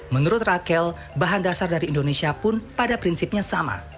menurut raquel bahan dasar dari indonesia pun pada prinsipnya sama